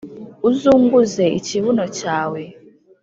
uzunguze ikibuno cyawe